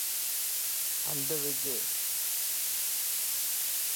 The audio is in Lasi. ھنڌ وج